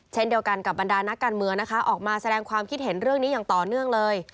เช่นเดียวกันกับบรรดานักการเมืองนะคะออกมาแสดงความคิดเห็นเรื่องนี้อย่างต่อเนื่องเลย